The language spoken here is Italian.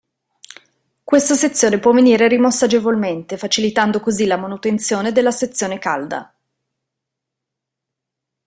Questa sezione può venire rimossa agevolmente, facilitando così la manutenzione della sezione calda.